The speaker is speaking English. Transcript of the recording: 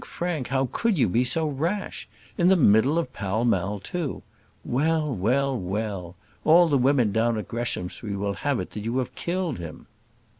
Frank! how could you be so rash? In the middle of Pall Mall, too. Well! well! well! All the women down at Greshamsbury will have it that you have killed him."